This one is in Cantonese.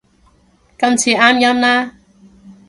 今次啱音啦